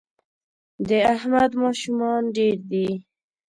د احمد ماشومان ډېر دي